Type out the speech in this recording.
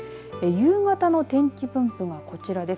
夕方の天気分布がこちらです。